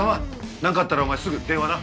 何かあったらお前すぐ電話な。